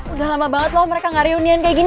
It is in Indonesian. udah lama banget loh mereka gak reunian kayak gini